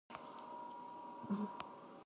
هغه د شپې ټیلیفون کارولو وروسته ژر ویښ شو.